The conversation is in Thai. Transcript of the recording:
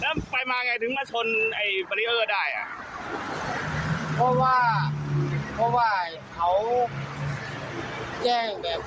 แล้วไปมาไงถึงมาชนไอ้บารีเออร์ได้อ่ะเพราะว่าเพราะว่าเขาแจ้งแบบ